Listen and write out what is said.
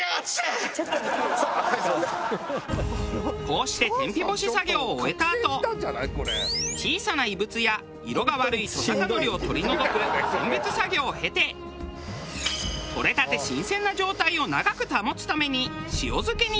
こうして天日干し作業を終えたあと小さな異物や色が悪いトサカノリを取り除く選別作業を経て獲れたて新鮮な状態を長く保つために塩漬けに。